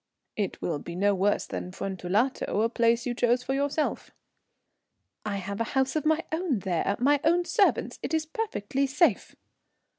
"It will be no worse than Fuentellato, a place you chose for yourself." "I have a house of my own there my own servants. It is perfectly safe."